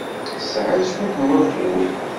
Tesɛiḍ cwiṭ n wakud?